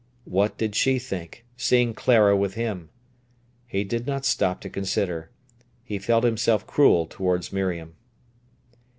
What did she think, seeing Clara with him? He did not stop to consider. He felt himself cruel towards Miriam.